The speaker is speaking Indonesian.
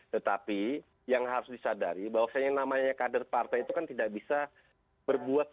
tetapi yang harus disadari bahwa kader partai itu kan tidak bisa berbuat sesuatu